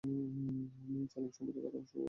আর জালিম সম্প্রদায়কে আল্লাহ সুপথ দেখান না।